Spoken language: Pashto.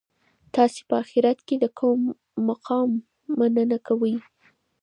تاسي په اخیرت کي د کوم مقام مننه کوئ؟